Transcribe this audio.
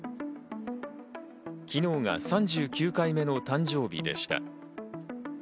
昨日が３９回目の誕生日でした。